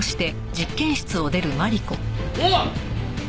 おい！